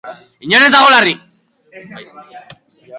Inor ez dago larri.